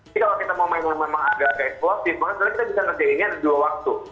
jadi kalau kita mau main yang memang agak agak eksplosif maka sebenarnya kita bisa ngerjainnya ada dua waktu